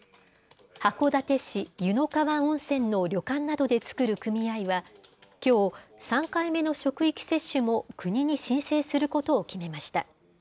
函館市・湯の川温泉の旅館などで作る組合は、きょう、３回目の職域接種も国に申請することを決めました。